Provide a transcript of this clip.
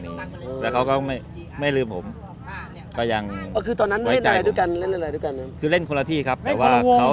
นี่สามารถช่วยสร้างของสหัวเราะ